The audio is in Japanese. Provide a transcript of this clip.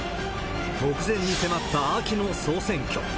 目前に迫った秋の総選挙。